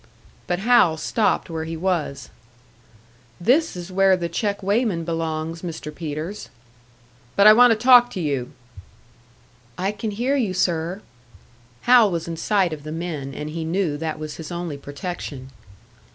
But Hal stopped where he was. "This is where the check weighman belongs, Mr. Peters." "But I want to talk to you." "I can hear you, sir." Hal was in sight of the men, and he knew that was his only protection.